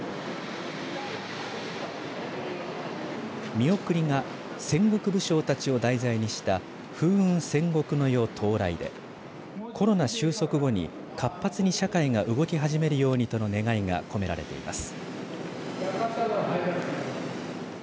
見送りが戦国武将たちを題材にした風雲戦国世到来でコロナ収束後に活発に社会が動き始めるようにとの願いが込められています。